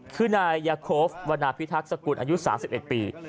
คือนายยาโคฟวันนาพิทักษกุลอายุ๓๑ปี